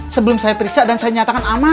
sebelum saya periksa dan saya nyatakan aman